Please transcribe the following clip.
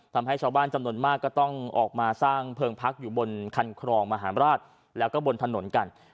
ทำให้ชาวบ้านจำนวนมากก็ต้องออกมาสร้างเพลิงพักอยู่บนคันครองมหาราชแล้วก็บนถนนกัน